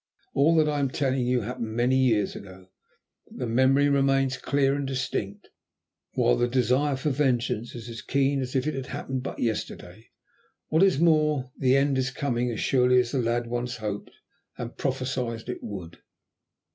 All that I am telling you happened many years ago, but the memory remains clear and distinct, while the desire for vengeance is as keen as if it had happened but yesterday. What is more, the end is coming, as surely as the lad once hoped and prophesied it would."